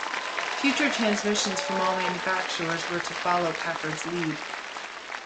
Future transmissions from all manufacturers were to follow Packard's lead.